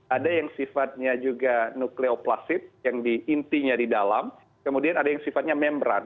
ada yang sifatnya juga nukleoplasid yang di intinya di dalam kemudian ada yang sifatnya membran